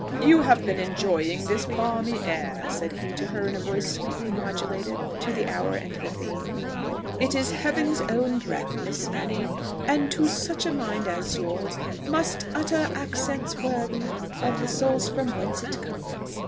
"You have been enjoying this balmy air," said he to her in a voice sweetly modulated to the hour and the theme. "It is heaven's own breath, Miss Fanny, and to such a mind as yours must utter accents worthy of the source from whence it comes."